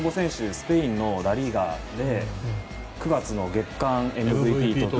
スペインのラ・リーガで９月の月間ＭＶＰをとって。